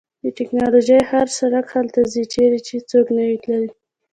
د ټیکنالوژۍ هر شرکت هلته ځي چیرې چې څوک نه وي تللی